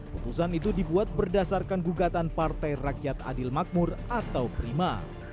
putusan itu dibuat berdasarkan gugatan partai rakyat adil makmur atau prima